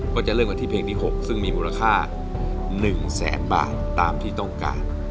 ก็จะเริ่มกันที่เพลงที่๖ซึ่งมีมูลค่า๑แสนบาทตามที่ต้องการ